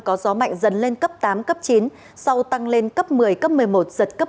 có gió mạnh dần lên cấp tám cấp chín sau tăng lên cấp một mươi cấp một mươi một giật cấp một